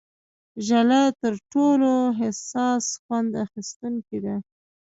ژله تر ټولو حساس خوند اخیستونکې ده.